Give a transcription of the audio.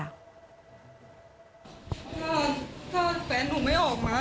เพื่อนถ้าแฟนหนูไม่ออกมา